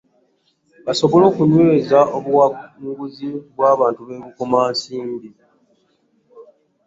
Basobole okunyweza obuwanguzi bw'abantu b'e Bukomansimbi